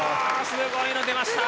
すごいの出ました！